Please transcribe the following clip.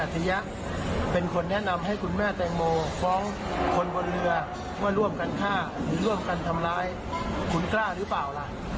ที่ใช้คุณแม่แปลงโมเป็นเครื่องมือในการสร้างชื่อเสีย